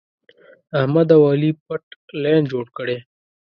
احمد او علي پټ لین جوړ کړی.